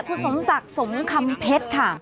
คุณสมศักดิ์สมคำเพชรค่ะ